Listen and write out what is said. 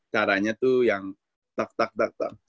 caranya tuh yang tak tak tak tak